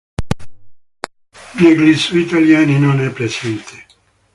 Negli zoo italiani non è presente.